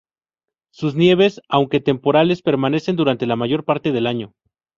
Sus nieves, aunque temporales, permanecen durante la mayor parte del año.